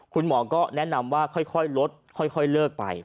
คุณหมอก็แนะนำว่าค่อยลดค่อยเลิกไป